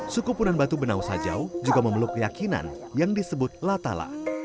suku punan batu benau sajau juga memeluk keyakinan yang disebut latala